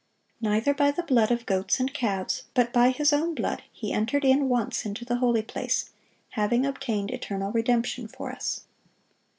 "Neither by the blood of goats and calves, but by His own blood He entered in once into the holy place, having obtained eternal redemption for us."